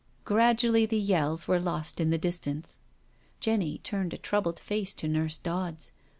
Gradually the yells were lost in the distance. Jenny turned a troubled face to Nurse Dodds.